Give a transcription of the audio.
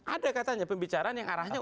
ada katanya pembicaraan yang arahnya